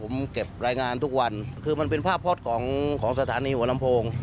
ผมเก็บรายงานทุกวันคือมันเป็นภาพพล็อตของของสถานีหัวลำโพง